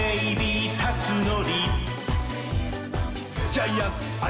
『ジャイアンツ愛』。